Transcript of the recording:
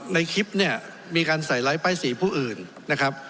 ในคลิปเนี่ยมีการใส่ไลค์ป้ายสีผู้อื่นนะครับ